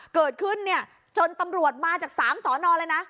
เกิดขึ้นเนี่ยจนตำรวจมาจาก๓สอนอเลยนะ